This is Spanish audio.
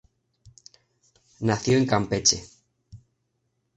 Nació en Campeche.